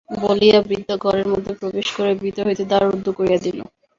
বলিয়া বৃদ্ধা ঘরের মধ্যে প্রবেশ করিয়া ভিতর হইতে দ্বার রুদ্ব করিয়া দিল।